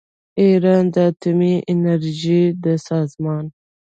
ایران د اتومي انرژۍ د سازمان